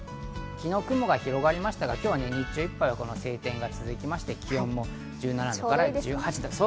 昨日、雲が広がりましたが、今日は日中いっぱい晴天が続きまして、気温も１７度から１８度。